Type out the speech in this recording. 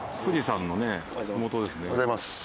おはようございます。